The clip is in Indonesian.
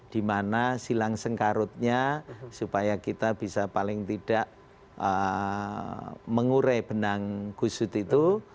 dimana silang sengkarutnya supaya kita bisa paling tidak mengurai benang kusut itu